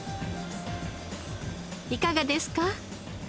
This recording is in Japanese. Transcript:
いかがですか？